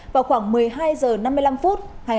vào khoảng một mươi hai h năm mươi năm phút